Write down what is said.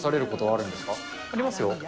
ありますよ。